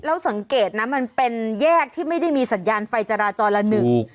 แล้วสังเกตนะมันเป็นแยกที่ไม่ได้มีสัญญาณไฟจราจรละหนึ่ง